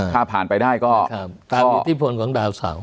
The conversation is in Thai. ค่ะผ่านไปได้ธรรมอย่างติดต้นของดาวเสา